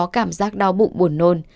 em có cảm giác đau bụng buồn nôn